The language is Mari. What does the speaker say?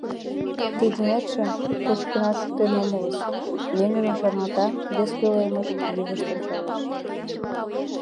Тый денетше кочкынат шуктен омылыс... — веҥыжым шарналта, вес пӧлемыш йывышт ончалеш.